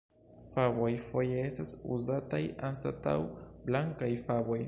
Faboj foje estas uzataj anstataŭ blankaj faboj.